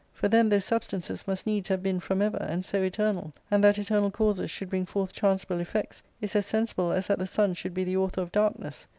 For then those substances must needs have been from ever, and so eternal ; and that eternal causes should bring forth chanceable effects is as sensible as that the sun should be the author of darkness.